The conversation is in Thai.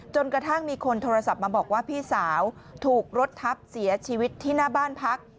จนกระทั่งมีคนโทรศัพท์มาบอกว่าพี่สาวถูกรถทับเสียชีวิตที่หน้าบ้านพัก